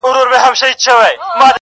• آس هم ښکلی هم د جنګ وي هم د ننګ وي -